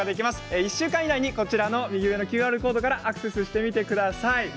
１週間以内に右上のＱＲコードからアクセスしてみてください。